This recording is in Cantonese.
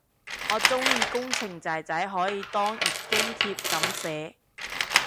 我鍾意工程仔仔可以當月經帖噉寫